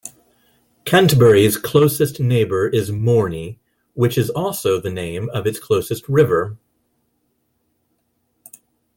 Canterbury's closest neighbour is Morney which is also the name of its closest river.